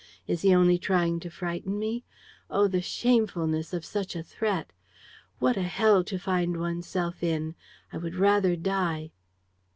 Is he only trying to frighten me? Oh, the shamefulness of such a threat! What a hell to find one's self in! I would rather die.